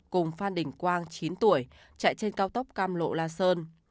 cùng phan đình quang chín tuổi chạy trên cao tốc cam lộ la sơn